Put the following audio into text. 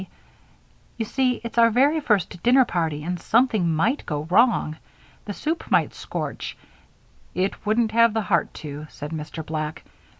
"You see it's our first dinner party and something might go wrong. The soup might scorch " "It wouldn't have the heart to," said Mr. Black.